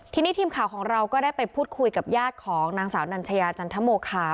ทีนี้ทีมข่าวของเราก็ได้ไปพูดคุยกับญาติของนางสาวนัญชยาจันทโมคา